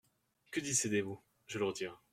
Que décidez-vous ? Je le retire.